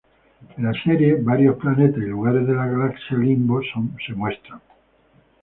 En la serie, varios planetas y lugares de la galaxia Limbo son mostrados.